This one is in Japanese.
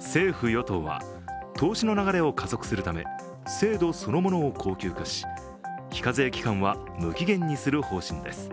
政府・与党は投資の流れを加速するため制度そのものを恒久化し非課税期間は無期限にする方針です。